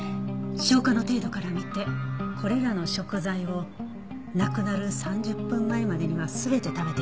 消化の程度から見てこれらの食材を亡くなる３０分前までには全て食べていたはずだから。